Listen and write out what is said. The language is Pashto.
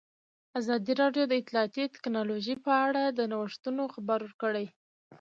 ازادي راډیو د اطلاعاتی تکنالوژي په اړه د نوښتونو خبر ورکړی.